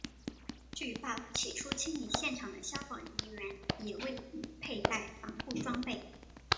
据报起初清理现场的消防人员也未佩戴防护装备。